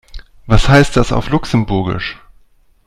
Was heißt das auf Luxemburgisch?